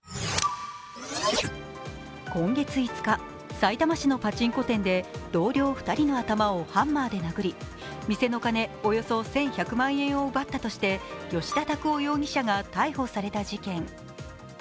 今月５日、さいたま市のパチンコ店で同僚２人の頭をハンマーで殴り店の金およそ１１００万円を奪ったとして葭田拓央容疑者が逮捕された事件。